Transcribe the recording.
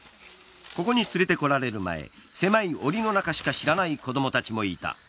ここに連れてこられる前狭いおりの中しか知らない子供たちもいた。